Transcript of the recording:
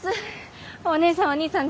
お義姉さんお義兄さん